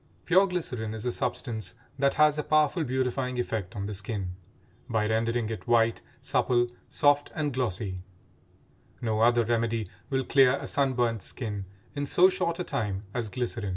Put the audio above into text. Pure glycerin is a substance that has a powerful beautifying effect on the skin, by rendering it white, supple, soft, and glossy; no other remedy will clear a sun burnt skin in so short a time as glycerin.